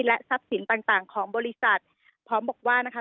และทรัพย์สินต่างต่างของบริษัทพร้อมบอกว่านะคะ